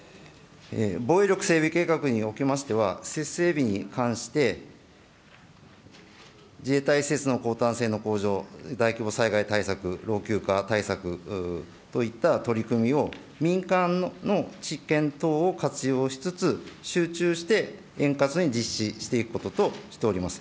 防衛力整備計画におきましては、施設整備に関して自衛隊施設の抗堪性の向上、大規模災害対策、老朽化対策といった取り組みを民間の知見等を活用しつつ、集中して円滑に実施していくこととしています。